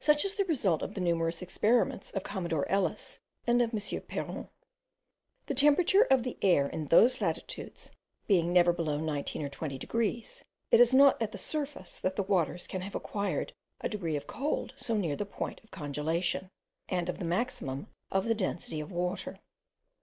Such is the result of the numerous experiments of commodore Ellis and of M. Peron. The temperature of the air in those latitudes being never below 19 or 20 degrees, it is not at the surface that the waters can have acquired a degree of cold so near the point of congelation, and of the maximum of the density of water.